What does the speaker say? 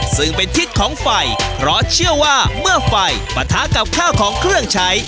ซึ่งเป็นทิศของไฟเพราะเชื่อว่าเมื่อไฟปะทะกับข้าวของเครื่องใช้